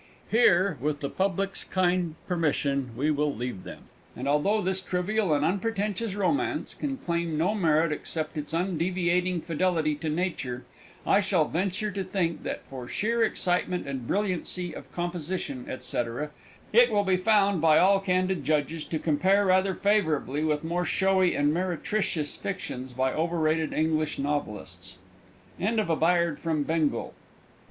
Here, with the Public's kind permission, we will leave them, and although this trivial and unpretentious romance can claim no merit except its undeviating fidelity to nature, I still venture to think that, for sheer excitement and brilliancy of composition, &c, it will be found, by all candid judges, to compare rather favourably with more showy and meretricious fictions by overrated English novelists. END OF A BAYARD FROM BENGAL.